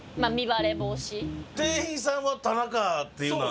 店員さんはタナカっていうのは。